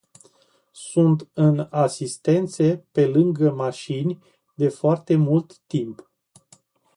Sunt în asistențe pe lângă mașini, de foarte mult timp.